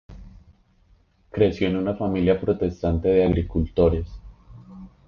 Creció en una familia protestante de agricultores.